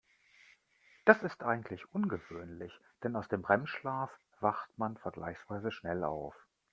Das ist eigentlich ungewöhnlich, denn aus dem REM-Schlaf wacht man vergleichsweise schnell auf.